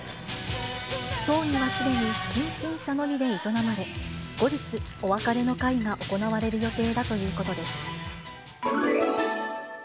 葬儀はすでに近親者のみで営まれ、後日、お別れの会が行われる予定だということです。